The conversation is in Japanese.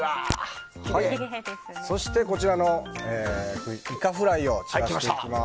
そしてイカフライをちらしていきます。